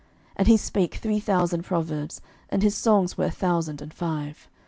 11:004:032 And he spake three thousand proverbs: and his songs were a thousand and five.